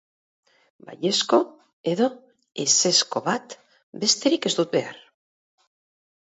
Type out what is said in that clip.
Baiezko edo ezezko bat besterik ez dut behar.